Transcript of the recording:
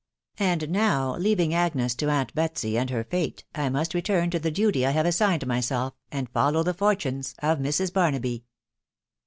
And now, leaving Agnes to aunt Betsy and her fate, I must return to the duty I have assigned myself, and follow the fortunes of Mrs. Barnaby.